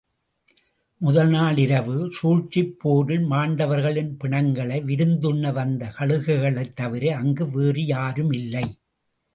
முதல்நாள் இரவு சூழ்ச்சிப் போரில் மாண்டவர்களின் பிணங்களை விருந்துண்ண வந்த கழுகுகளைத் தவிர அங்கு வேறு யாருமில்லை.